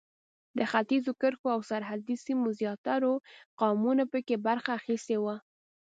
د ختیځو کرښو او سرحدي سیمو زیاترو قومونو په کې برخه اخیستې وه.